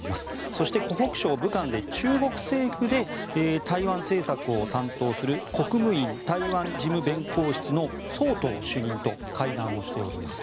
そして、湖北省武漢で中国政府で台湾政策を担当する国務院台湾事務弁公室のソウ・トウ主任と会談をしております。